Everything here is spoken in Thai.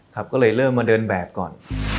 ครับก็เลยเริ่มมาเดินแบบก่อน